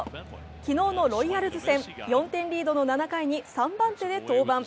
昨日のロイヤルズ戦、４点リードの７回に３番手で登板。